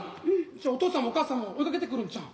じゃあお父さんもお母さんも追いかけてくるんちゃうん？